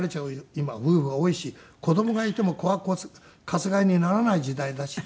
今夫婦が多いし子供がいても子はかすがいにならない時代だしね今ね。